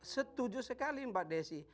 setuju sekali mbak desi